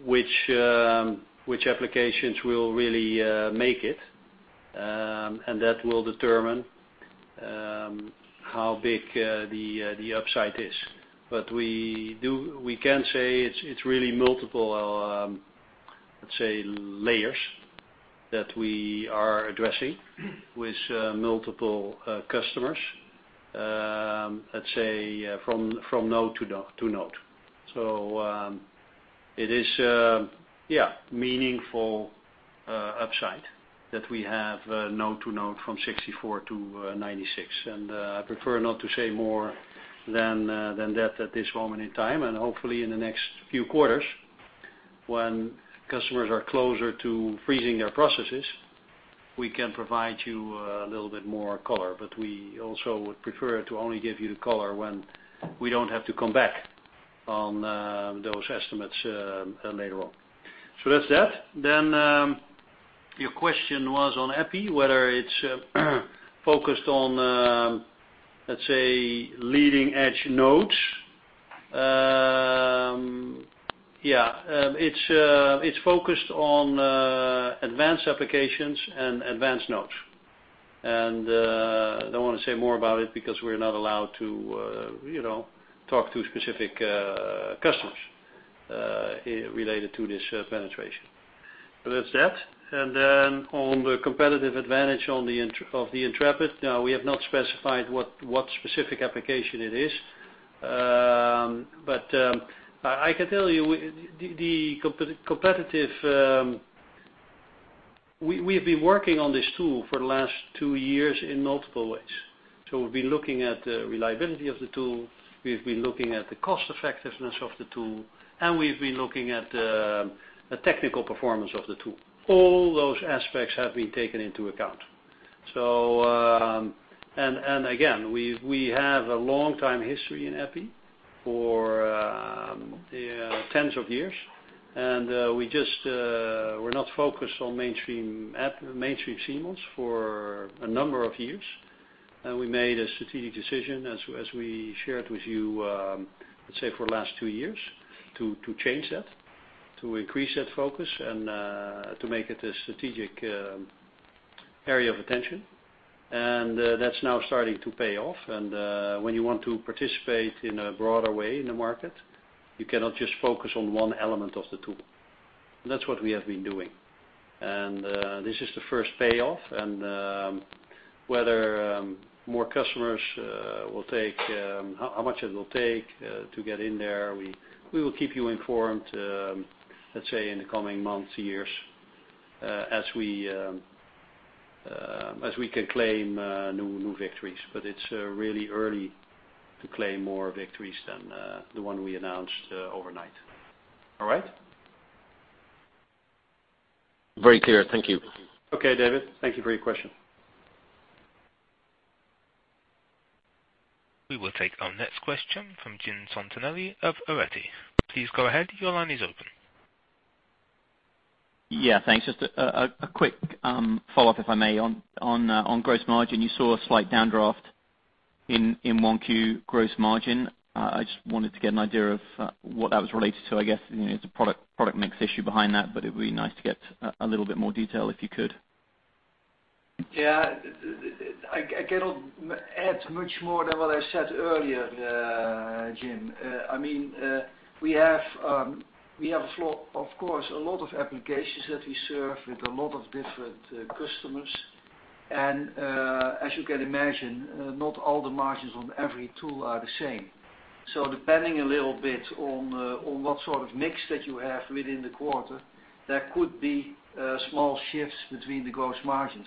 which applications will really make it, and that will determine how big the upside is. We can say it's really multiple, let's say, layers that we are addressing with multiple customers, let's say, from node to node. It is a meaningful upside that we have node to node from 64 to 96, and I prefer not to say more than that at this moment in time. Hopefully in the next few quarters, when customers are closer to freezing their processes, we can provide you a little bit more color. We also would prefer to only give you the color when we don't have to come back on those estimates later on. That's that. Your question was on EPI, whether it's focused on, let's say, leading-edge nodes. It's focused on advanced applications and advanced nodes. I don't want to say more about it because we're not allowed to talk to specific customers related to this penetration. That's that. On the competitive advantage of the Intrepid, we have not specified what specific application it is. I can tell you, we've been working on this tool for the last two years in multiple ways. We've been looking at the reliability of the tool, we've been looking at the cost effectiveness of the tool, and we've been looking at the technical performance of the tool. All those aspects have been taken into account. Again, we have a long time history in EPI for Tens of years. We just were not focused on mainstream CMOS for a number of years. We made a strategic decision, as we shared with you, let's say, for the last two years, to change that, to increase that focus and to make it a strategic area of attention. That's now starting to pay off. When you want to participate in a broader way in the market, you cannot just focus on one element of the tool. That's what we have been doing. This is the first payoff, whether more customers will take, how much it will take to get in there, we will keep you informed, let's say, in the coming months, years, as we can claim new victories. It's really early to claim more victories than the one we announced overnight. All right? Very clear. Thank you. Okay, David. Thank you for your question. We will take our next question from Jim Santinelli of Arete. Please go ahead. Your line is open. Yeah, thanks. Just a quick follow-up, if I may. On gross margin, you saw a slight downdraft in 1Q gross margin. I just wanted to get an idea of what that was related to. I guess it's a product mix issue behind that, but it would be nice to get a little bit more detail, if you could. Yeah. I cannot add much more than what I said earlier, Jim. We have, of course, a lot of applications that we serve with a lot of different customers. As you can imagine, not all the margins on every tool are the same. Depending a little bit on what sort of mix that you have within the quarter, there could be small shifts between the gross margins.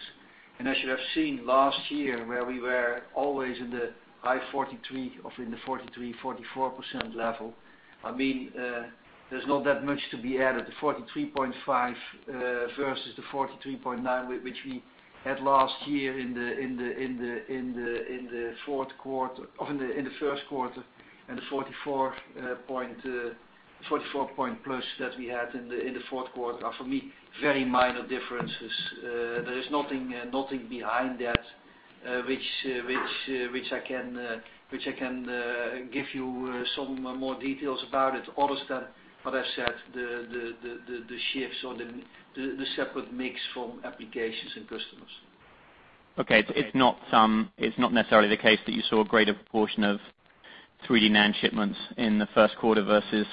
As you have seen last year, where we were always in the high 43%, often the 43%, 44% level. There's not that much to be added. The 43.5% versus the 43.9%, which we had last year in the first quarter, and the 44%+ that we had in the fourth quarter are, for me, very minor differences. There is nothing behind that which I can give you some more details about it, other than what I said, the shifts or the separate mix from applications and customers. Okay. It's not necessarily the case that you saw a greater proportion of 3D NAND shipments in the first quarter versus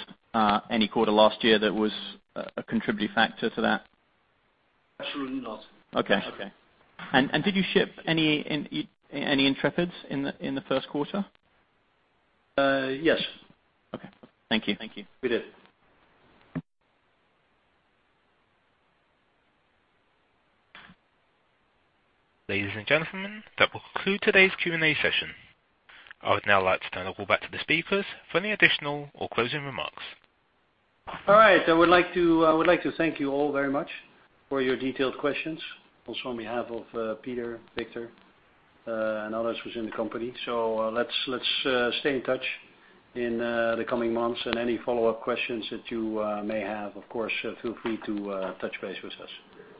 any quarter last year that was a contributing factor to that? Absolutely not. Okay. Did you ship any Intrepids in the first quarter? Yes. Okay. Thank you. We did. Ladies and gentlemen, that will conclude today's Q&A session. I would now like to turn it all back to the speakers for any additional or closing remarks. All right. I would like to thank you all very much for your detailed questions. Also on behalf of Peter, Victor, and others who's in the company. Let's stay in touch in the coming months, and any follow-up questions that you may have, of course, feel free to touch base with us.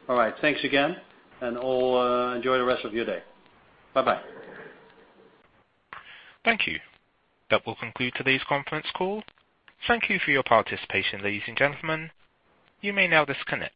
All right. Thanks again, and all enjoy the rest of your day. Bye-bye. Thank you. That will conclude today's conference call. Thank you for your participation, ladies and gentlemen. You may now disconnect.